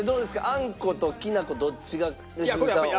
あんこときな粉どっちが良純さんは。